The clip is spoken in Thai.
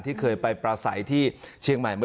ที่เคยไปประสัยที่เชียงใหม่